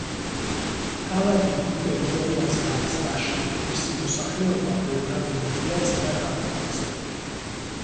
ქალაქი დიდ ტერიტორიაზე არის გაშლილი მისი მოსახლეობა ბევრად მეტია წინა ქალაქებზე.